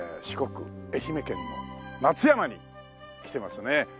四国愛媛県の松山に来てますね。